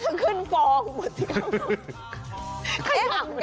นาคก็จะขึ้นฟองบทสิครับ